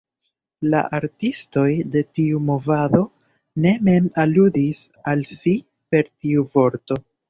La artistoj de tiu movado ne mem aludis al si per tiu vorto.